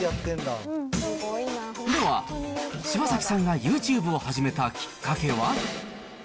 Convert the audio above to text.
では、柴崎さんがユーチューブを始めたきっかけは？